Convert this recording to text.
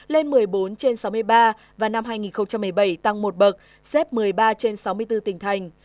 lên một mươi bốn trên sáu mươi ba và năm hai nghìn một mươi bảy tăng một bậc xếp một mươi ba trên sáu mươi bốn tỉnh thành